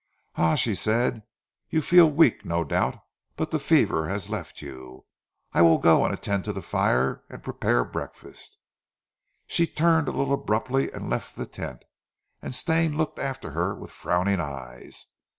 "Ah," she said. "You feel weak no doubt, but the fever has left you. I will go and attend to the fire and prepare breakfast." She turned a little abruptly and left the tent, and Stane looked after her with frowning eyes.